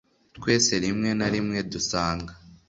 twese rimwe na rimwe dusanga